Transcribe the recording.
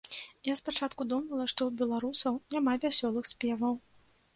Я спачатку думала, што у беларусаў няма вясёлых спеваў.